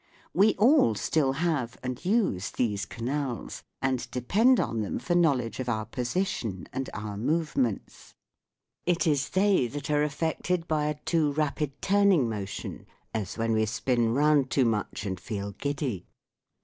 We all still have and use these canals, and depend on them for knowledge of our position and our movements. It is they that are affected by a SOUNDS OF THE SEA 139 too rapid turning motion, as when we spin round too much and feel giddy.